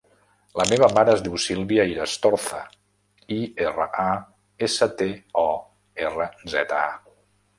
La meva mare es diu Sílvia Irastorza: i, erra, a, essa, te, o, erra, zeta, a.